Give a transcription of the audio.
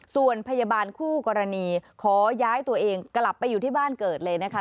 ส่วนพยาบาลคู่กรณีขอย้ายตัวเองกลับไปอยู่ที่บ้านเกิดเลยนะคะ